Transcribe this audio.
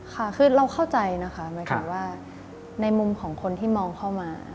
ค่ะคือเราเข้าใจนะคะหมายถึงว่าในมุมของคนที่มองเข้ามา